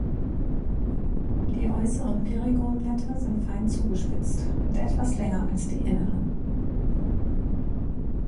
Die äußeren Perigonblätter sind fein zugespitzt und etwas länger als die inneren.